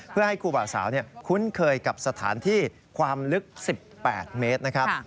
เพื่อให้ครูบาสาวคุ้นเคยกับสถานที่ความลึก๑๘เมตรนะครับ